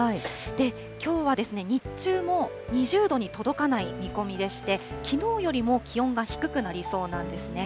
きょうは、日中も２０度に届かない見込みでして、きのうよりも気温が低くなりそうなんですね。